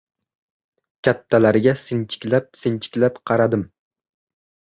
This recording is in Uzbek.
Kattalarga sinchiklab-sinchiklab qaradim.